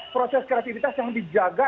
proses kreatifitas yang dijaga